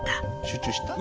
集中した？